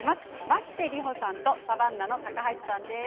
牧瀬里穂さんとサバンナの高橋さんです。